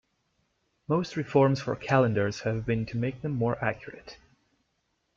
Most reforms for calendars have been to make them more accurate.